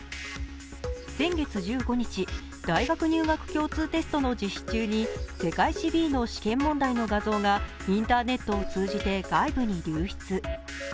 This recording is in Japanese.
先月１５日、大学入学共通テストの実施中に、世界史Ｂの試験問題の画像がインターネットを通じて外部に流出。